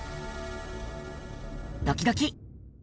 ドキドキ。